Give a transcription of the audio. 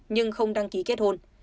nhưng không đăng ký kết hôn